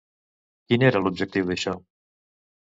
Quin era l'objectiu d'això?